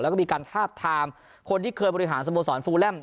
แล้วก็มีการทาบทามคนที่เคยบริหารสโมสรฟูแลม